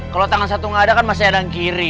kalau tangan satu nggak ada kan masih ada yang kiri